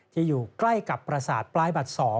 อยู่ใกล้กับประสาทปลายบัตร๒